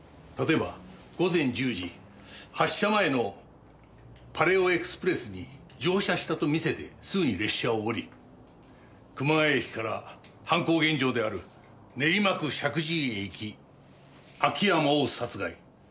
例えば午前１０時発車前のパレオエクスプレスに乗車したと見せてすぐに列車を降り熊谷駅から犯行現場である練馬区石神井へ行き秋山を殺害。